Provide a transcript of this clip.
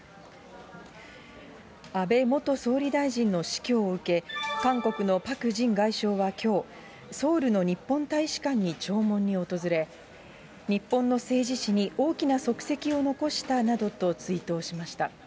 安倍元総理大臣の死去を受け、韓国のパク・ジン外相はきょう、ソウルの日本大使館に弔問に訪れ、日本の政治史に大きな足跡を残したなどと追悼しました。